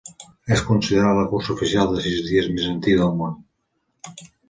És considerada la cursa oficial de sis dies més antiga del món.